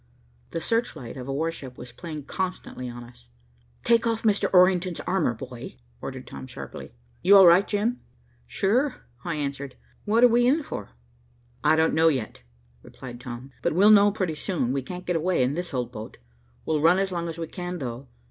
[Illustration: THE SEARCH LIGHT OF A WARSHIP WAS PLAYING CONSTANTLY ON US. [Page 122. ] "Take off Mr. Orrington's armor, boy," ordered Tom sharply. "You all right, Jim?" "Sure," I answered. "What are we in for?" "I don't know yet," replied Tom, "but we'll know pretty soon. We can't get away in this old boat. We'll run as long as we can, though.